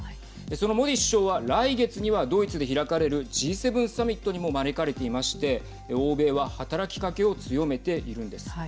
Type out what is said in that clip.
そのモディ首相は来月には、ドイツで開かれるＧ７サミットにも招かれていまして欧米は働きかけを強めているんです。